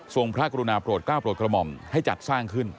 พระกรุณาโปรดก้าวโปรดกระหม่อมให้จัดสร้างขึ้น